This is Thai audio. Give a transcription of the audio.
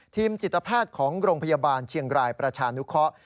จิตแพทย์ของโรงพยาบาลเชียงรายประชานุเคราะห์